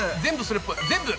全部！